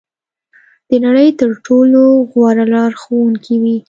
د نړۍ تر ټولو غوره لارښوونکې وي.